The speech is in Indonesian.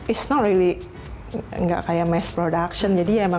itu bukan seperti mass production